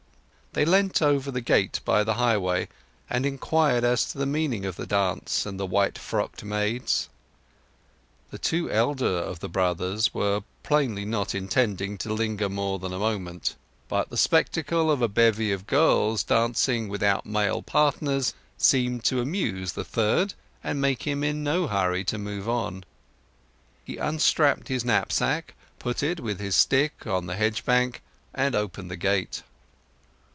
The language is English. They leant over the gate by the highway, and inquired as to the meaning of the dance and the white frocked maids. The two elder of the brothers were plainly not intending to linger more than a moment, but the spectacle of a bevy of girls dancing without male partners seemed to amuse the third, and make him in no hurry to move on. He unstrapped his knapsack, put it, with his stick, on the hedge bank, and opened the gate.